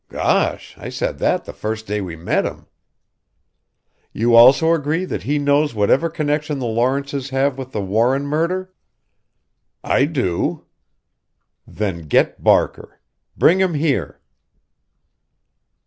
"Gosh I said that the first day we met him." "You also agree that he knows whatever connection the Lawrences have with the Warren murder?" "I do." "Then get Barker. Bring him here!"